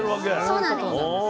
そうなんです。